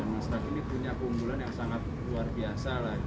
mas raff ini punya keunggulan yang sangat luar biasa lah